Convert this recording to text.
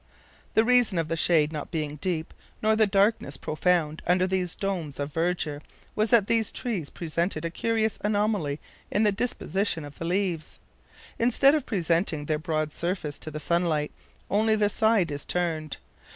The reason of the shade not being deep, nor the darkness profound, under these domes of verdure, was that these trees presented a curious anomaly in the disposition of the leaves. Instead of presenting their broad surface to the sunlight, only the side is turned.